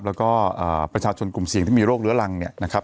แล้วก็ประชาชนกลุ่มเสี่ยงที่มีโรคเรื้อรังเนี่ยนะครับ